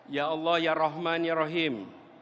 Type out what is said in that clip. ya allah ya rahman ya rahim